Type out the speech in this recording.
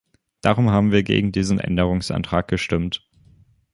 Darum haben wir gegen diesen Änderungsantrag gestimmt.